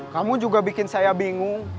kamu juga bikin saya bingung